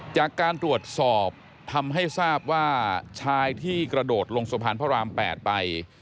จากการตรวจสอบทำให้ทราบว่าชายที่กระโดดลงสะพานพระราม๘ไป